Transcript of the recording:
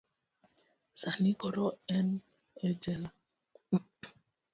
sani koro en e jela.